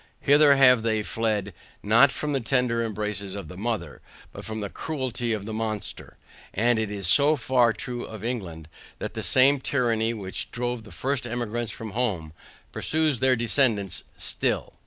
Hither have they fled, not from the tender embraces of the mother, but from the cruelty of the monster; and it is so far true of England, that the same tyranny which drove the first emigrants from home, pursues their descendants still.